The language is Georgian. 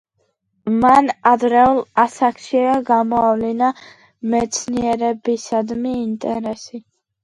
მან ადრეულ ასაკშივე გამოავლინა მეცნიერებისადმი ინტერესი.